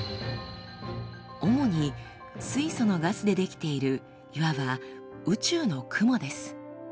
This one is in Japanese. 主に水素のガスで出来ているいわば宇宙の雲です。